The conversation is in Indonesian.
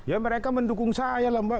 ya mereka mendukung saya lah mbak